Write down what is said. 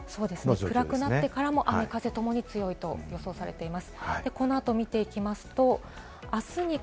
暗くなってから雨、風強いと予想されています。